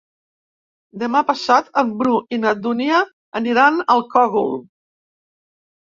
Demà passat en Bru i na Dúnia aniran al Cogul.